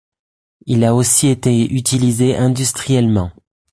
Il a aussi été utilisé industriellement.